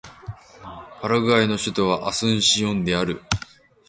パラグアイの首都はアスンシオンである